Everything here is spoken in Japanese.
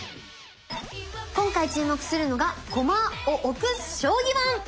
今回注目するのが駒を置く将棋盤！